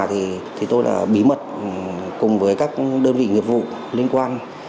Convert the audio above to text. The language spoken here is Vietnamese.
thì tôi đã bí mật cùng với các đơn vị nghiệp vụ liên quan